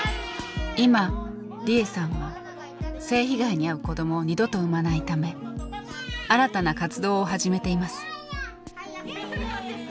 今利枝さんは性被害にあう子どもを二度と生まないため新たな活動を始めています。